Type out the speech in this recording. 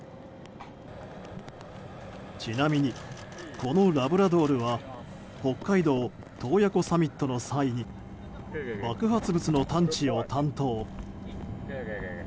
ちなみに、このラブラドルは北海道・洞爺湖サミットの際に爆発物の探知を担当。